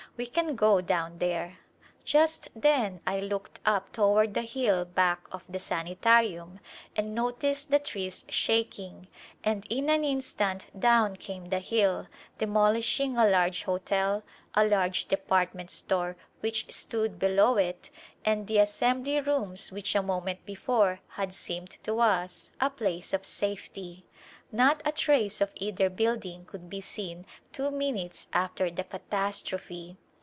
We can go down there." Just then I looked up toward the hill ['23] A Glimpse of India back of the sanitarium and noticed the trees shaking and in an instant down came the hill, demolishing a large hotel, a large department store which stood below it, and the assembly rooms which a moment before had seemed to us a place of safety. Not a trace of either building could be seen two minutes after the catastrophe.